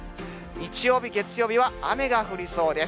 日曜日、月曜日は雨が降りそうです。